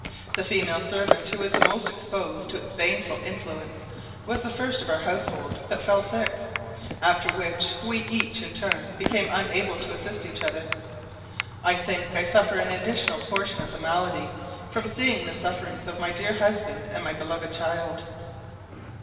The female servant, who was the most exposed to its baneful influence, was the first of our household that fell sick, after which, we each in turn became unable to assist each other. I think I suffer an additional portion of the malady from seeing the sufferings of my dear husband and my beloved child.